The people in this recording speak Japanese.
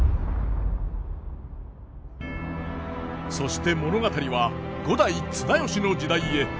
そして物語は五代・綱吉の時代へ。